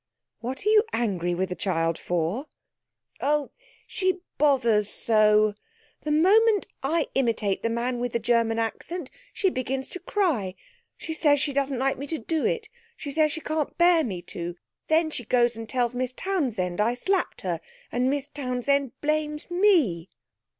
'What are you angry with the child for?' 'Oh, she bothers so. The moment I imitate the man with the German accent she begins to cry. She says she doesn't like me to do it. She says she can't bear me to. Then she goes and tells Miss Townsend I slapped her, and Miss Townsend blames me.'